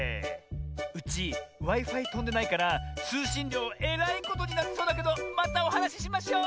うちＷｉ−Ｆｉとんでないからつうしんりょうえらいことになりそうだけどまたおはなししましょう！